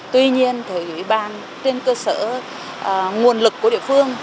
tuy nhiên thời ủy ban trên cơ sở nguồn lực của địa phương